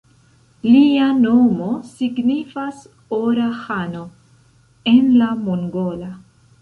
Lia nomo signifas "Ora ĥano" en la mongola.